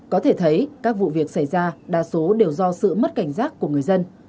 có thể thấy các vụ việc xảy ra đa số đều do sự mất cảnh giác của người dân